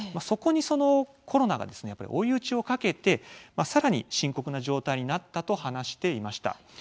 そこに、このコロナが追い打ちをかけて、さらに深刻な状態になったと話していました。